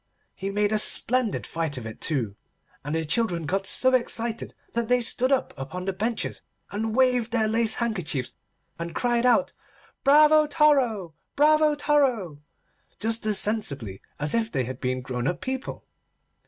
He made a splendid fight of it too, and the children got so excited that they stood up upon the benches, and waved their lace handkerchiefs and cried out: Bravo toro! Bravo toro! just as sensibly as if they had been grown up people.